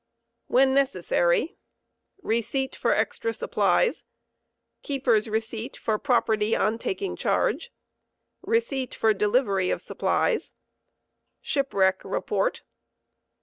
When necessary; Receipt for extra supplies/. Keeper's receipt for property on taking charge. Receipt Tor delivery of supplies. Shipwreck report.